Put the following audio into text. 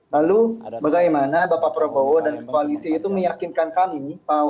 lalu bagaimana bapak prabowo dan koalisi itu meyakinkan kami